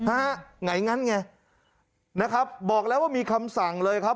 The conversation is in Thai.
ไหนงั้นไงนะครับบอกแล้วว่ามีคำสั่งเลยครับ